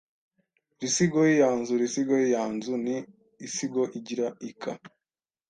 Iisigo y’iyanzu Iisigo y’iyanzu ni iisigo igira iika